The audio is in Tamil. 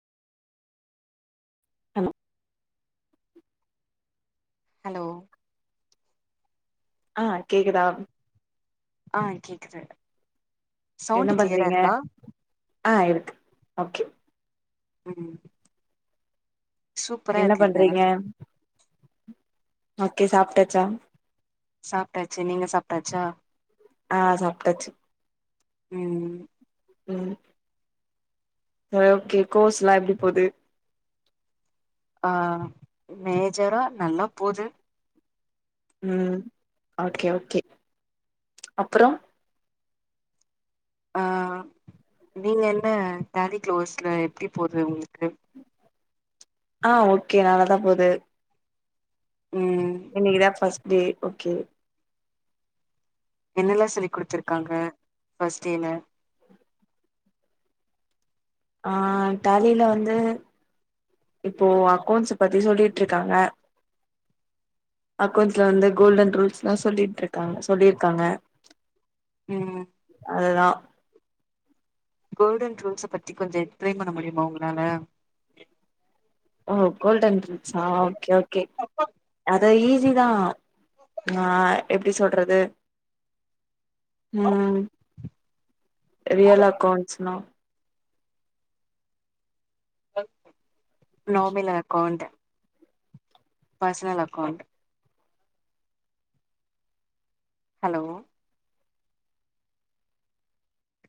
ஆ ஹலோ ஆ கேக்குதா ஆ கேக்குது என்ன சவுண்டு கிளியரா பண்றீங்க இருக்கா ஆ இருக்கு ஓகே ம் சூப்பரா என்ன இருக்குங்க பண்றீங்க ஓகே சாப்ட்டாச்சா சாப்ட்டாச்சு நீங்க சாப்ட்டாச்சா ஆ சாப்ட்டாச்சு ம் ம் ஓகே கோர்ஸ்லா எப்டி போது ஆ மேஜரா நல்லா போது ம் ஓகே ஓகே அப்புறம் அ நீங்க என்ன டேலி குளோஸ்ல எப்டி போது உங்களுக்கு ஆ ஓகே நல்லா தா போது ம் இன்னைக்குதான் பர்ஸ்ட் டே ஓகே என்னெல்லா சொல்லி கொடுத்துருக்காங்க பர்ஸ்ட் டேல ஆ டேலில வந்து இப்போ அக்கௌன்ஸ் பத்தி சொல்லிட்டு இருக்காங்க அக்கௌண்ட்ஸ்ல வந்து கோல்டன் ரூல்ஸேலாம் சொல்லிட்டு இருக்காங்க சொல்லிருக்காங்க ம் அதுதான் கோல்டன் ரூல்ஸ பத்தி கொஞ்சம் எக்ஸ்பிளென் பண்ண முடியுமா உங்களால ஓ கோல்டன் ரூல்ஸா ஆ ஓகே ஓகே அத தான் ஆஹ் எப்படி சொல்றது உம் ரியல் அக்கௌண்ட்ஸ்ன noble account personal account hello